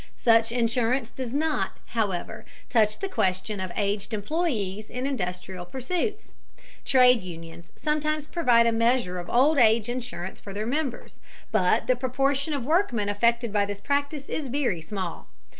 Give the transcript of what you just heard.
Such insurance does not, however, touch the question of aged employees in industrial pursuits. Trade unions sometimes provide a measure of old age insurance for their members, but the proportion of workmen affected by this practice is very small.